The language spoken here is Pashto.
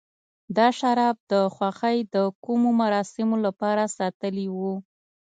دا شراب د خوښۍ د کومو مراسمو لپاره ساتلي و.